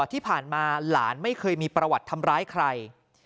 ที่ผ่านมาหลานไม่เคยมีประวัติทำร้ายใคร